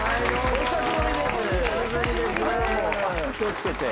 お久しぶりで。